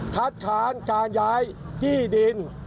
ค้านการย้ายที่ดิน